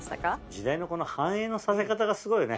時代のこの反映のさせ方がすごいよね。